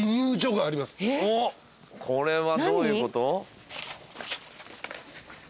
これはどういうこと？